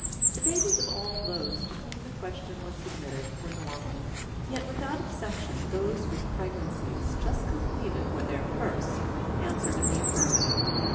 The babies of all those to whom the question was submitted were normal; yet without exception those whose pregnancies just completed were their first answered in the affirmative.